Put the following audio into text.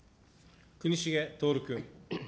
國重徹君。